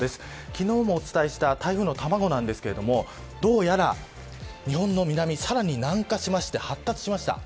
昨日もお伝えした台風の卵ですが、どうやら日本の南、さらに南下しまして発達しました。